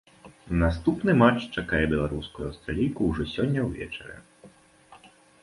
Наступны матч чакае беларуску і аўстралійку ўжо сёння ўвечары.